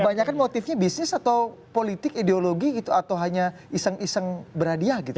kebanyakan motifnya bisnis atau politik ideologi gitu atau hanya iseng iseng beradiah gitu